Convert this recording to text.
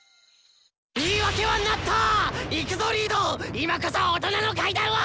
今こそ大人の階段を！